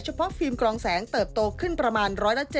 เฟิล์มกรองแสงเติบโตขึ้นประมาณ๑๗